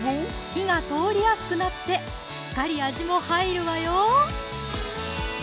火が通りやすくなってしっかり味も入るわよ